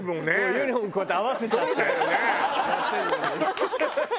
ユニホームこうやって合わせちゃってやってるのに。